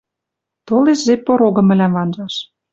Толеш жеп порогым мӹлӓм ванжаш —